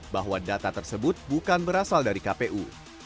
bahwa data tersebut bukan berasal dari kpu